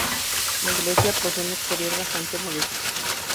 La iglesia posee un exterior bastante modesto.